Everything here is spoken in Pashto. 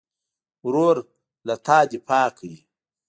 ورور له تا نه دفاع کوي.